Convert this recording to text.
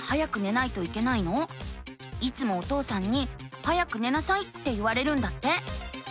いつもお父さんに「早く寝なさい」って言われるんだって。